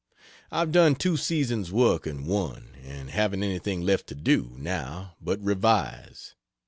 I've done two seasons' work in one, and haven't anything left to do, now, but revise.